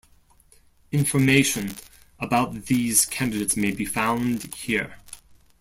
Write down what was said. Information about these candidates may be found here.